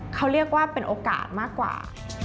เขาเรียกว่าเป็นโอกาสมากกว่า